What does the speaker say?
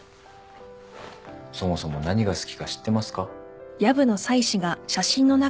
そもそも何が好きか知ってますか？